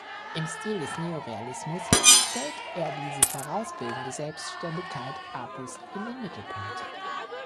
Im Stil des Neorealismus stellt er die sich herausbildende Selbständigkeit Apus in den Mittelpunkt.